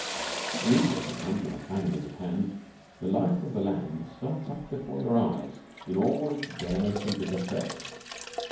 In India sometimes when a famine is at hand the life of the land starts up before your eyes in all its bareness and bitter stress.